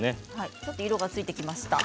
ちょっと色がついてきました。